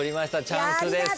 チャンスです。